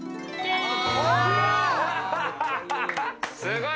すごい！